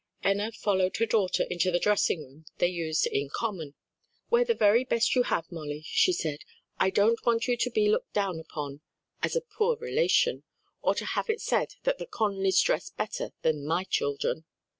Enna followed her daughter into the dressing room they used in common. "Wear the very best you have, Molly," she said, "I don't want you to be looked down upon as a poor relation, or to have it said that the Conlys dress better than my children."